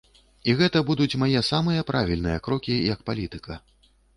І гэта будуць мае самыя правільныя крокі як палітыка.